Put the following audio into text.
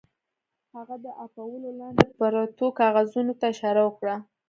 هغه د اپولو لاندې پرتو کاغذونو ته اشاره وکړه